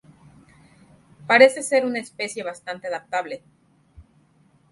Parece ser una especie bastante adaptable.